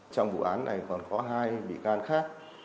trong vụ án này còn có hai bị can khác